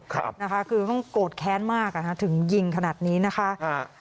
คือต้องโกรธแค้นมากถึงยิงขนาดนี้นะคะ